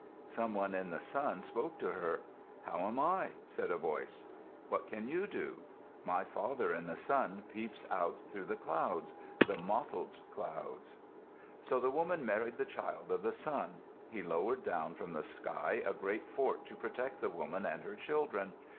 Some one in the sun spoke to her. "How am I?" said a voice. "What can you do?" "My father in the sun peeps out through the clouds the mottled clouds." So the woman married the child of the sun. He lowered down from the sky a great fort to protect the woman and her children.